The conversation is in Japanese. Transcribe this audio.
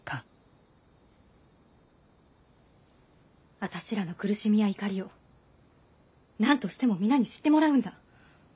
あたしらの苦しみや怒りを何としても皆に知ってもらうんだ。